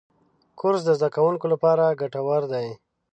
کورس د زدهکوونکو لپاره ګټور دی.